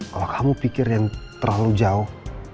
kalau kamu pikir yang terlalu jauh